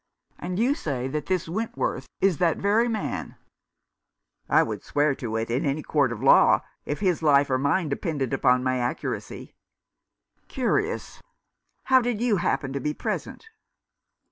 And you say that this Wentworth is that very man ?" "I would swear to it in any court of law, if his life or mine depended upon my accuracy." " Curious ! How did you happen to be present